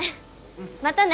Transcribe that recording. またね。